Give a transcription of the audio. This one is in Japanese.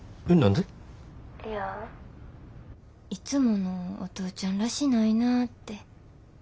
いやいつものお父ちゃんらしないなて。